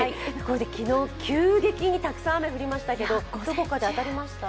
昨日、急激にたくさん雨降りましたけど、どこかで当たりました？